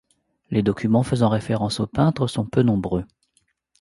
Les documents faisant référence au peintre sont peu nombreux.